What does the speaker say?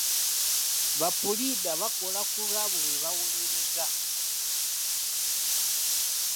Ba puliida bakola ku lwabo be bawolereza.